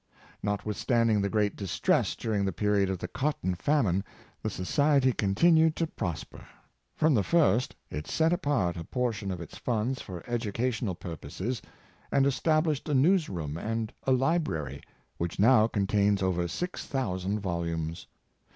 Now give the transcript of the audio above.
Notwithstanding the great distress during the period of the cotton famine, the society continued to prosper. From the first, it set apart a portion of its 430 News and Reading' R 007ns. ^y funds for educational purposes, and established a news room and a library, which now contains over six thous and volumes.